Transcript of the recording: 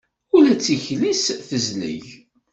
Ula d tikli-s tezleg.